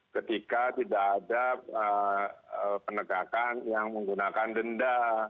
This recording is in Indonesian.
ketika tidak ada penegakan yang menggunakan denda